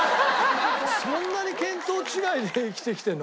そんなに見当違いで生きてきてるの？